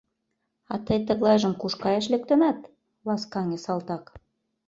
А тый тыглайжым куш каяш лектынат? — ласкаҥе салтак.